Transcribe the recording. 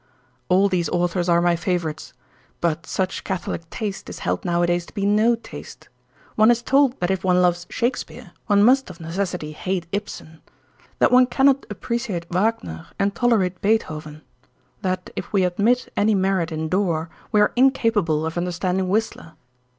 All these authors are my favourites; but such catholic taste is held nowadays to be no taste. One is told that if one loves Shakespeare, one must of necessity hate Ibsen; that one cannot appreciate Wagner and tolerate Beethoven; that if we admit any merit in Dore, we are incapable of understanding Whistler.